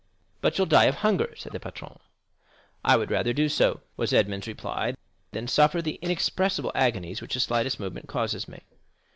"But you'll die of hunger," said the patron. "I would rather do so," was Edmond's reply, "than suffer the inexpressible agonies which the slightest movement causes me."